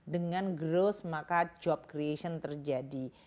dengan growth maka job creation terjadi